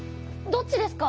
どっちですか？